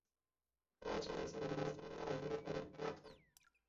高茎紫堇为罂粟科紫堇属下的一个亚种。